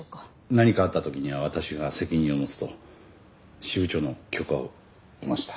何かあった時には私が責任を持つと支部長の許可を得ました。